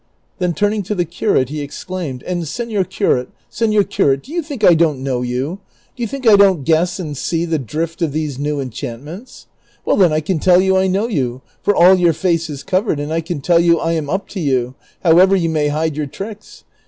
Then tnrning to the curate he exclaimed, " And, seiior curate, seiior curate ! do you think I don't know yon ? Do you think I don't guess and see the drift of these new enchantments ? Well, then, I can tell you I know yon, for all your face is covered, and I can tell you I am up to you, however you may hide your tricks.